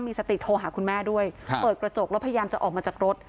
มีสติโทรหาคุณแม่ด้วยเปิดกระจกแล้วพยายามจะออกมาจากรถ